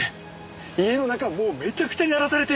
家の中もうめちゃくちゃに荒らされて。